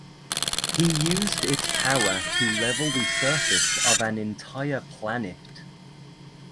He used its power to level the surface of an entire planet.